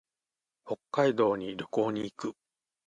北海道に旅行に行く。